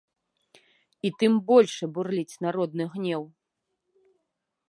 І тым большы бурліць народны гнеў.